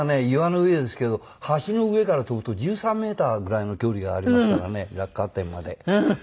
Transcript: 岩の上ですけど橋の上から飛ぶと１３メーターぐらいの距離がありますからね落下点まで。